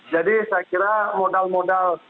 jadi saya kira modal modal